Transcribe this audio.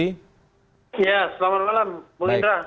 ya selamat malam bung indra